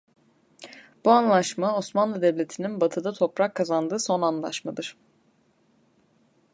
Bu antlaşma Osmanlı Devleti'nin Batı'da toprak kazandığı son antlaşmadır.